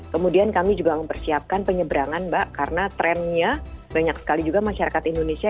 kemudian kami juga mempersiapkan penyeberangan mbak karena trennya banyak sekali juga masyarakat indonesia